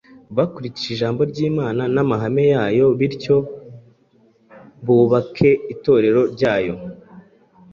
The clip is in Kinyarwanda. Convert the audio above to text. bakurikije ijambo ry’Imana n’amahame yayo bityo bubake Itorero ryayo,